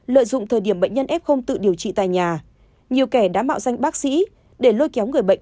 lợi dụng thời điểm bệnh nhân f tự điều trị tại nhà nhiều kẻ đã mạo danh bác sĩ để lôi kéo người bệnh